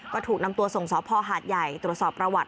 ก็ถูกนำตัวส่งสพหาดใหญ่ตรวจสอบประวัติ